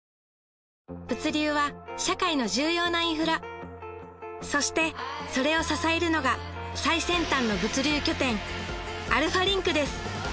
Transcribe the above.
物流は社会の重要なインフラそしてそれを支えるのが最先端の物流拠点アルファリンクです